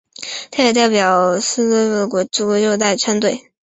他也代表斯洛文尼亚国家足球队参赛。